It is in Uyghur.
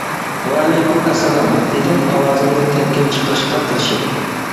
-ۋەئەلەيكۇم ئەسسالام، -دېدىم ئاۋازىمنى تەمكىن چىقىرىشقا تىرىشىپ.